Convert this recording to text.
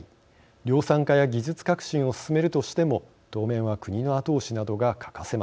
量産化や技術革新を進めるとしても当面は国の後押しなどが欠かせません。